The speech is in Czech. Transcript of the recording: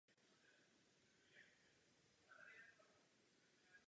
O této otázce se dnes zmínil také komisař Oettinger.